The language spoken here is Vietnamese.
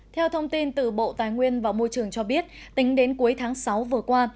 theo thông tin từ bộ tài nguyên và môi trường cho biết tính đến cuối tháng sáu vừa qua